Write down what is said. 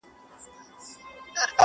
جواب دي راکړ خپل طالع مي ژړوینه،